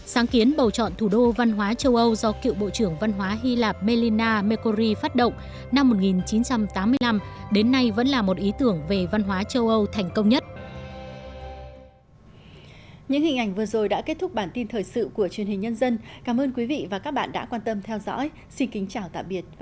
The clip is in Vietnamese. xin kính chào tạm biệt